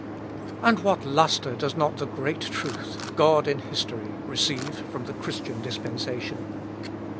And what lustre does not the great truth God in History receive from the Christian Dispensation?